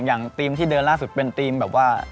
อย่างทีมที่เดินล่าสุดเป็นทีมแบบว่า